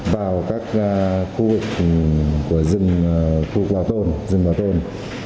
vào các khu vực của rừng bảo tồn